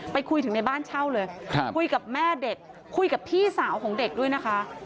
คุยถึงในบ้านเช่าเลยคุยกับแม่เด็กคุยกับพี่สาวของเด็กด้วยนะคะ